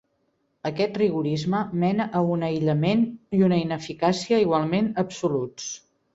Aquest rigorisme mena a un aïllament i una ineficàcia igualment absoluts.